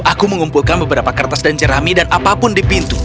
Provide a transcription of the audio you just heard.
aku mengumpulkan beberapa kertas dan jerami dan apapun di pintu